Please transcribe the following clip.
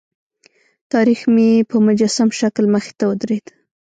تاریخ مې په مجسم شکل مخې ته ودرېد.